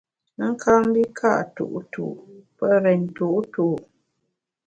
A ka mbi ka’ tu’tu’ pe rèn tu’tu’.